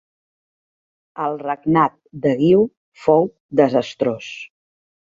El regnat de Guiu fou desastrós.